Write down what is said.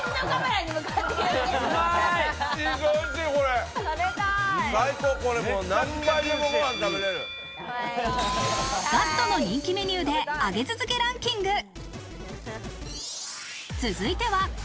ガストの人気メニューで、上げ続けランキング。